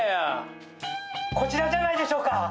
こちらじゃないでしょうか？